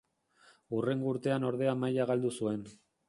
Hurrengo urtean ordea maila galdu zuen.